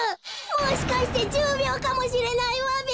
もしかしてじゅうびょうかもしれないわべ。